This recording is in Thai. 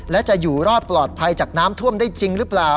และจะอยู่รอดปลอดภัยจากน้ำท่วมได้จริงหรือเปล่า